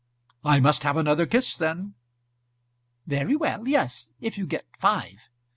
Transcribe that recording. "I must have another kiss then." "Very well, yes; if you get five."